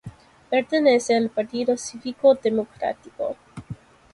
Pertenece al Partido Cívico Democrático.